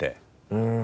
うん。